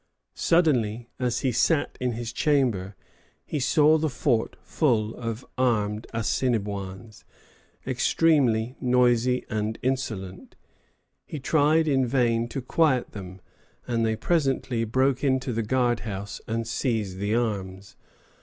Suddenly, as he sat in his chamber, he saw the fort full of armed Assinniboins, extremely noisy and insolent. He tried in vain to quiet them, and they presently broke into the guard house and seized the arms.